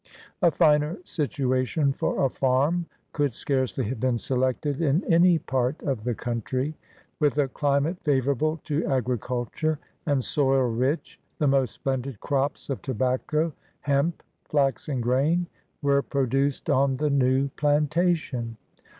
A finer situation for a farm could scarcely have been selected in any part of the country. With a climate favorable to agriculture, and soil rich, the most splendid crops of tobacco, hemp, flax and grain were produced on the new plantation.